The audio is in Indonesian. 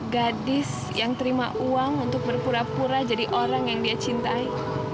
gadis yang terima uang untuk berpura pura jadi orang yang dia cintai